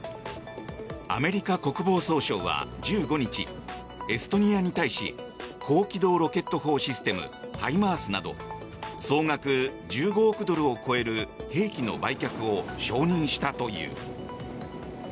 アメリカ国防総省は１５日エストニアに対し高機動ロケット砲システムハイマースなど総額１５億ドルを超える兵器の売却を承認したという。